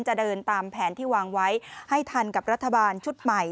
จะเดินตามแผนที่วางไว้ให้ทันกับรัฐบาลชุดใหม่